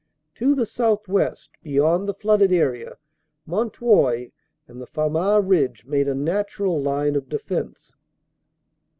To the southwest, beyond the flooded area, Mont Houy and the Famars Ridge made a natural line of defense.